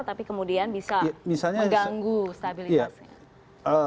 tapi kemudian bisa mengganggu stabilitasnya